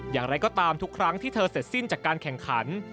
อย่างไรก็ตามทุกครั้งที่เธอเสร็จสิ้นจากการแข่งขัน